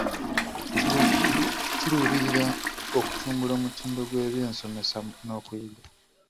Tuluubirira okutumbula omutindo gw'ebyensomesa n'okuyiga.